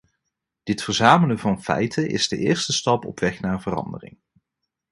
Dit verzamelen van feiten is de eerste stap op weg naar verandering.